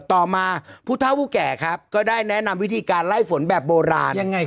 ต่อมาผู้เท่าผู้แก่ครับก็ได้แนะนำวิธีการไล่ฝนแบบโบราณ